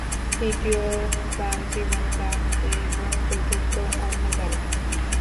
তৃতীয় দান জীবন-দান এবং চতুর্থ অন্ন-দান।